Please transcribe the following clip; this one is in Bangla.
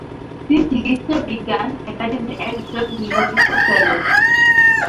তিনি চিকিৎসাবিজ্ঞান একাডেমির একজন নির্বাচিত ফেলো।